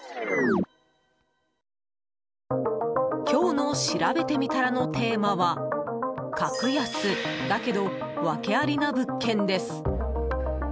今日のしらべてみたらのテーマは格安だけど、ワケありな物件です。